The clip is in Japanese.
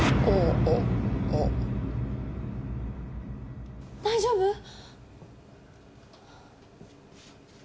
大丈夫？